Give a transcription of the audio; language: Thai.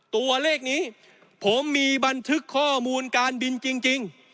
ตัวเลขนี้ผมมีบันทึกข้อมูลการบินจริง